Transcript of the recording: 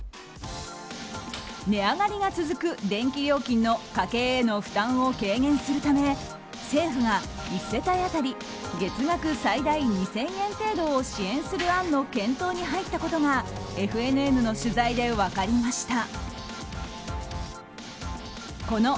値上がりが続く電気料金の家計への負担を軽減するため政府が、１世帯当たり月額最大２０００円程度を支援する案の検討に入ったことがＦＮＮの取材で分かりました。